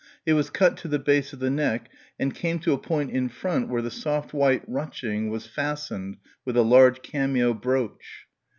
It was cut to the base of the neck and came to a point in front where the soft white ruching was fastened with a large cameo brooch.